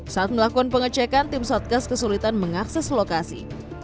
saat melakukan pengecekan tim satgas kesulitan mengakses lokasi